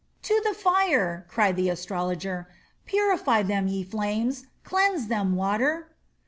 "To the fire!" cried the old astrologer. "Purify them, ye flames; cleanse them, water."